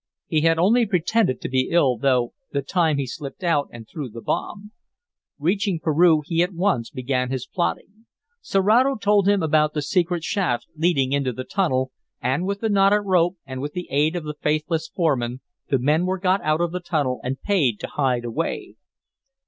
He had only pretended to be ill, though, the time he slipped out and threw the bomb. Reaching Peru he at once began his plotting. Serato told him about the secret shaft leading into the tunnel, and with the knotted rope, and with the aid of the faithless foreman, the men were got out of the tunnel and paid to hide away.